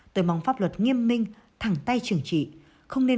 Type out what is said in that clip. tôi mong pháp luật nghiêm minh thẳng tay trưởng trị